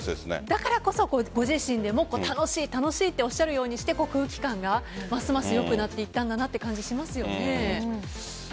だからこそご自身でも楽しい、楽しいとおっしゃるようにして空気感がますます良くなっていったんだなという感じしますよね。